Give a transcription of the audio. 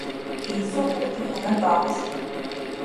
Еицуп урҭ аханатә аахысгьы…